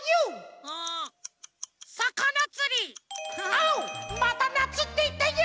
あっまた「なつ」っていったよ！